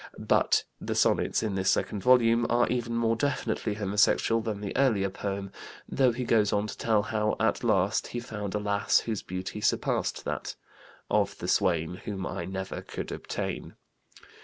But the sonnets in this second volume are even more definitely homosexual than the earlier poem, though he goes on to tell how at last he found a lass whose beauty surpassed that "of the swain Whom I never could obtain."